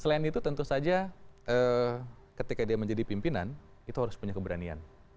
selain itu tentu saja ketika dia menjadi pimpinan itu harus punya keberanian